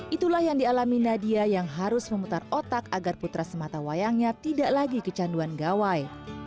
itulah yang dialami nadia yang harus memutar otak agar putra sematawayangnya tidak lagi kecanduan gawai